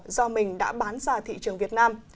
do mình đã bán ra thị trường việt nam